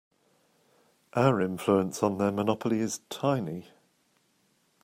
Our influence on their monopoly is tiny.